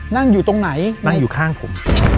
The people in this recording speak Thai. นั่งอยู่ตรงไหนนั่งอยู่ข้างผม